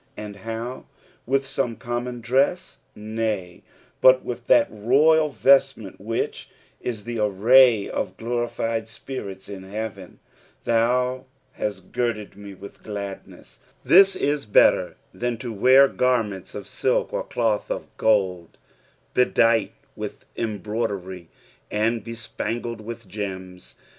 And how ! With some common dress) Nay, but with that royal vestment which is the array of glorified spirits in heaven. " Thau htut girded me with gtadaeu." This is better than to wear gannents of utk or cloth of gold, bedight with embroidery and bespangled with gems.